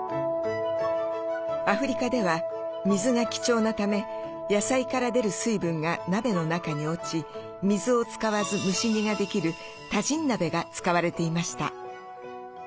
アフリカでは水が貴重なため野菜から出る水分が鍋の中に落ち水を使わず蒸し煮ができるタジン鍋が使われていました。